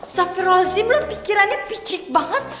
safirolazim lo pikirannya picit banget